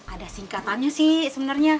ada singkatannya sih sebenarnya